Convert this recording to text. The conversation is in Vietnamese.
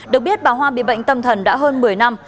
được biết bà hoa bị bệnh tâm thần đã hơn một mươi năm